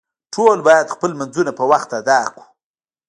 ټول باید خپل لمونځونه په وخت ادا کړو